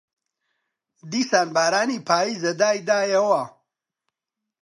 دیسان بارانی پاییزە دایدایەوە